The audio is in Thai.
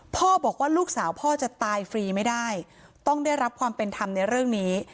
พ่อบอกว่าลูกสาวพ่อจะตายฟรีไม่ได้ต้องได้รับความเป็นธรรมในเรื่องนี้